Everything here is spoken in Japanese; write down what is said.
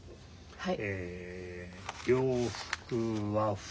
はい。